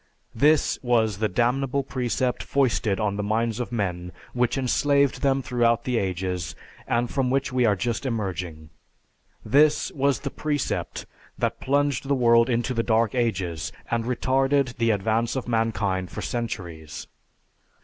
This was the damnable precept foisted on the minds of men which enslaved them throughout the ages, and from which we are just emerging. This was the precept that plunged the world into the Dark Ages, and retarded the advance of mankind for centuries.